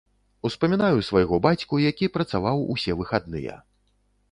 Успамінаю свайго бацьку, які працаваў усе выхадныя.